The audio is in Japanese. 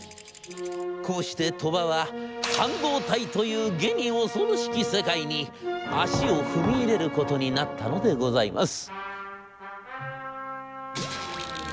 こうして鳥羽は半導体というげに恐ろしき世界に足を踏み入れることになったのでございます」。